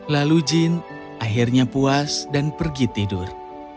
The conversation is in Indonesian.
lalu jin akhirnya puas dan pergi tidur